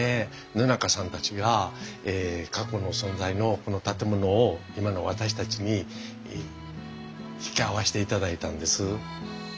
野中さんたちが過去の存在のこの建物を今の私たちに引き合わしていただいたんです。